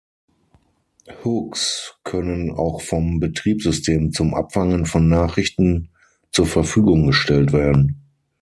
Hooks können auch vom Betriebssystem zum Abfangen von Nachrichten zur Verfügung gestellt werden.